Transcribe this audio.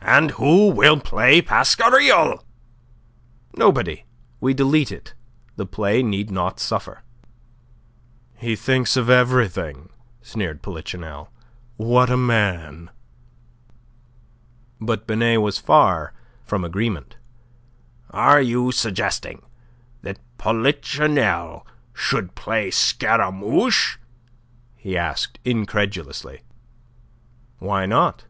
"And who will play Pasquariel?" "Nobody. We delete it. The play need not suffer." "He thinks of everything," sneered Polichinelle. "What a man!" But Binet was far from agreement. "Are you suggesting that Polichinelle should play Scaramouche?" he asked, incredulously. "Why not?